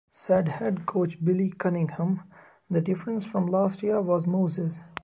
Said head coach Billy Cunningham, The difference from last year was Moses.